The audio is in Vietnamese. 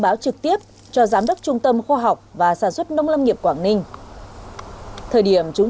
báo trực tiếp cho giám đốc trung tâm khoa học và sản xuất nông lâm nghiệp quảng ninh thời điểm chúng